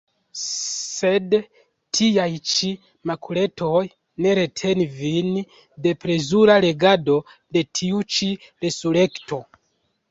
Sed tiaj ĉi makuletoj ne retenu vin de plezura legado de tiu ĉi Resurekto!